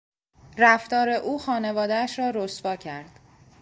رفتار او خانوادهاش را رسوا کرد.